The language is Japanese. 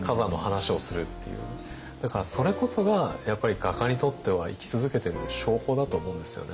だからそれこそがやっぱり画家にとっては生き続けてる証拠だと思うんですよね。